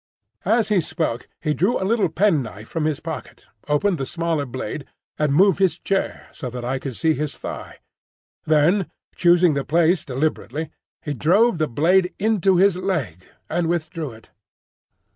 As he spoke he drew a little penknife from his pocket, opened the smaller blade, and moved his chair so that I could see his thigh. Then, choosing the place deliberately, he drove the blade into his leg and withdrew it.